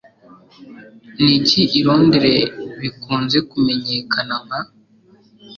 Niki I Londres Bikunze Kumenyekana Nka